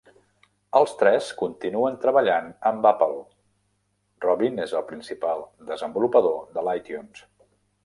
Els tres continuen treballant amb Apple; Robbin és el principal desenvolupador de l'iTunes.